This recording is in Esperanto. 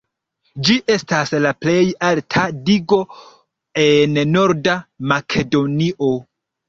Ĝi estas la plej alta digo en Norda Makedonio.